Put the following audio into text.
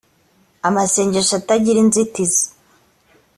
amasengesho atagira inzitizi